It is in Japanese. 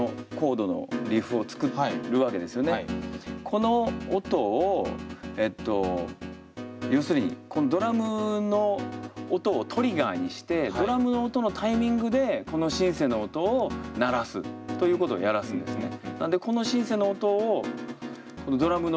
この音を要するにこのドラムの音をトリガーにしてドラムの音のタイミングでこのシンセの音を鳴らすということをやらすんですね。